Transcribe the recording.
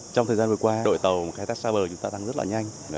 trong thời gian vừa qua đội tàu khai thác xa bờ chúng ta tăng rất là nhanh